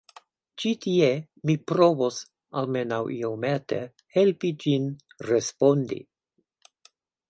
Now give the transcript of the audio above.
Ĉi tie mi provos almenaŭ iomete helpi ĝin respondi.